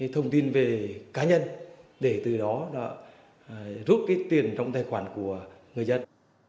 thông tin về cá nhân để từ đó rút tiền trong tài khoản của người dân